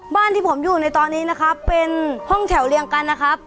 บ้านที่ผมอยู่ในตอนนี้นะครับเป็นห้องแถวเรียงกันนะครับ